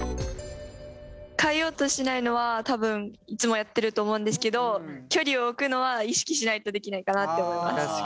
変えようとしないのは多分いつもやってると思うんですけど距離を置くのは意識しないとできないかなって思います。